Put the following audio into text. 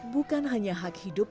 bukan hanya hak hidup